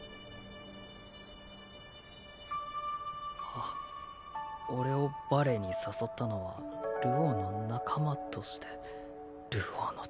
あっ俺をバレエに誘ったのは流鶯の仲間として。